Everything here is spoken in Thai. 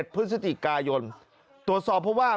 พฤศจิกายนตรวจสอบเพราะว่า